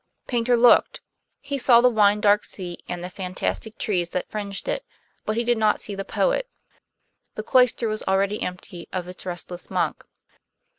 Paynter looked; he saw the wine dark sea and the fantastic trees that fringed it, but he did not see the poet; the cloister was already empty of its restless monk.